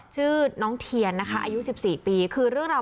ชื่อน้องเทียรนะคะอายุสิบสี่ปีคือเรื่องเรา